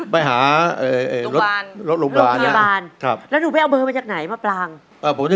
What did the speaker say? ผมต้องบอกเลยบอกมาปลางเตี๋ยวไม่ไหวแล้ว